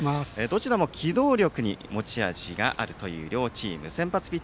どちらも機動力に持ち味があるという両チーム。